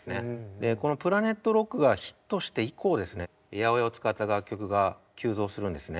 でこの「ＰｌａｎｅｔＲｏｃｋ」がヒットして以降ですね８０８を使った楽曲が急増するんですね。